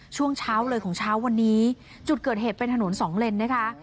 ช่วงเช้าเลยของเช้าวันนี้จุดเกิดเหตุเป็นถนนสองเลนนะคะ